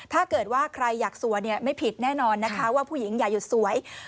ถ้าเกิดว่าใครอยากสวยไม่ผิดแน่นอนนะคะว่าผู้หญิงอย่าหยุดสวย